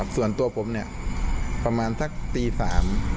ส่วนตัวผมเนี่ยประมาณสักตีสาม